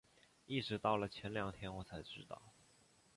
一直到了前两天我才知道